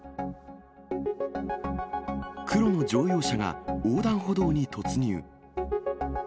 黒の乗用車が横断歩道に突入。